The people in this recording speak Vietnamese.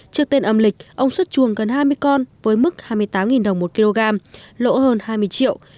trước tên âm lịch ông xuất chuồng gần hai mươi con với mức hai mươi tám đồng một kg lỗ hơn hai mươi triệu